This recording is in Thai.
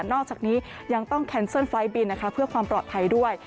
อกจากนี้ยังต้องแคนเซิลไฟล์บินนะคะเพื่อความปลอดภัยด้วย